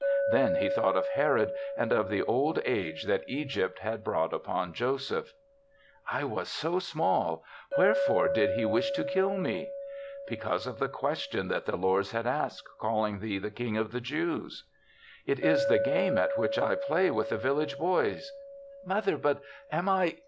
Then, he thought of Herod, and of the old age that Egypt had brought upon Joseph. THE SEVENTH CHRISTMAS' 45 " I was so small ; wherefore did he wish to kill me?" " Because of the question that the lords had asked, calling thee the King of the Jews." " It is the game at which I play with the village boys. Mother, but am I